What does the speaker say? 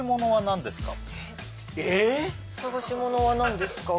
探しものは何ですか？